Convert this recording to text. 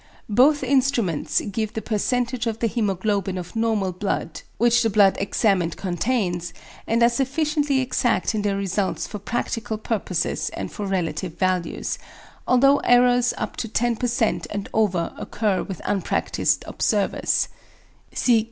Both instruments give the percentage of the hæmoglobin of normal blood which the blood examined contains, and are sufficiently exact in their results for practical purposes and for relative values; although errors up to 10% and over occur with unpractised observers.